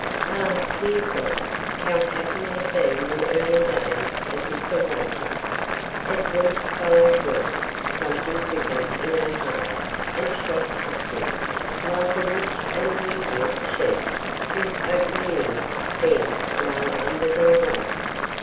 Ah, dear God! How happy had been the early days of this awaiting! As week followed week something quickened in her heart and shot upward, like a rich and beauteous sheaf whose opening ears bend low under their weight.